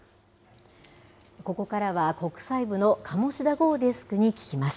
ここからは、国際部の鴨志田郷デスクに聞きます。